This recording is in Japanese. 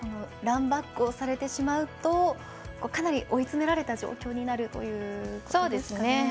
ランバックをされてしまうとかなり追い詰められた状況になるということですかね。